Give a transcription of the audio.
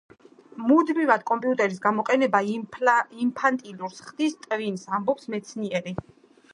მუდმივად კომპიუტერის გამოყენება ინფანტილურს ხდის ტვინს – ამბობს მეცნიერი.